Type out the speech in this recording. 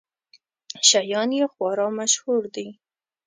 شیان یې خورا مشهور دي.